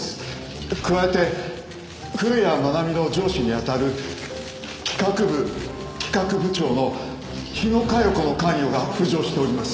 加えて古谷愛美の上司にあたる企画部企画部長の日野佳代子の関与が浮上しております。